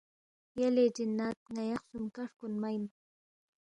یلے جن٘ات ن٘یا خسُومکا ہرکُونمہ اِن